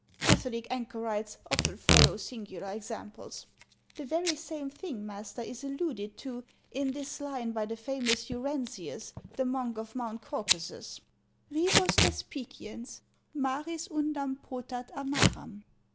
Catholic anchorites often follow singular examples; the very same thing, master, is alluded to 12 178 HANS OF ICELAND. in this line by the famous Urensius, the monk of Mount Caucasus :—' Rivos despiciens, marls uudain potat amaram.'